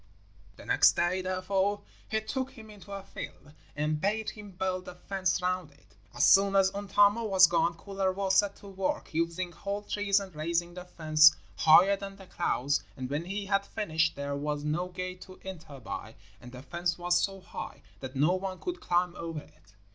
The next day, therefore, he took him into a field and bade him build a fence round it. As soon as Untamo was gone, Kullervo set to work, using whole trees and raising the fence higher than the clouds; and when he had finished there was no gate to enter by, and the fence was so high that no one could climb over it.